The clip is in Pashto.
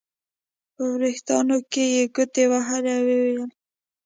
په وریښتانو کې یې ګوتې وهلې او ویې ویل.